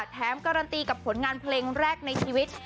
แถมการันตีกับผลงานเพลงแรกในชีวิต